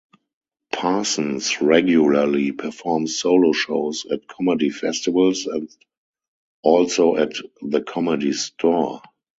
Parsons regularly performs solo shows at comedy festivals, and also at The Comedy Store.